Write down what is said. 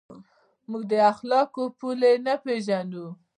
موږ د اخلاقو پولې نه پېژنو.